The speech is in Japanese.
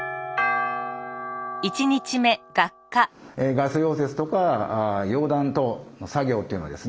ガス溶接とか溶断等の作業というのはですね